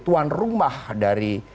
tuan rumah dari